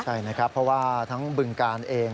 ใช่นะครับเพราะว่าทั้งบึงกาลเอง